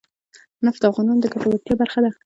نفت د افغانانو د ګټورتیا برخه ده.